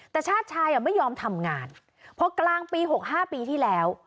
แต่ชาติชายไม่ยอมทำงานพอกลางปี๖๕ปีที่แล้ว